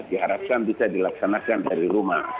diharapkan bisa dilaksanakan dari rumah